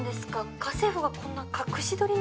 家政婦がこんな隠し撮りなんて。